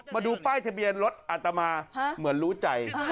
มาดูป้ายทะเบียนรถอัตมาเหมือนรู้ใจ